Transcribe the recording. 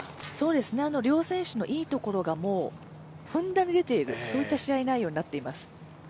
両選手のいいところがふんだんに出ているそういった試合内容になってます。